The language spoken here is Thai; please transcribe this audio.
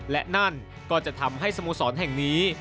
และนั่นก็จะทำให้สโมสรแห่งนี้